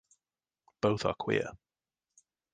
Both are queer.